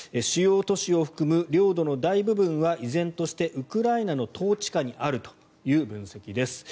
主要都市を含む領土の大部分は依然としてウクライナの統治下にあるという分析です。